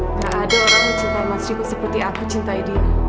nggak ada orang yang cintai mas niko seperti aku cintai dia